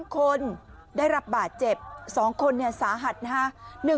คนได้รับบาดเจ็บ๒คนสาหัสนะฮะ